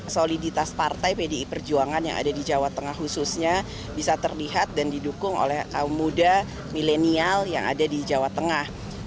soliditas partai pdi perjuangan yang ada di jawa tengah khususnya bisa terlihat dan didukung oleh kaum muda milenial yang ada di jawa tengah